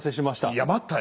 いや待ったよ。